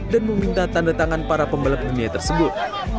dan meminta tanda tangan para pembalap dunia tersebut